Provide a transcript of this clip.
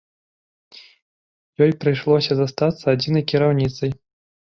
Ёй прыйшлося застацца адзінай кіраўніцай.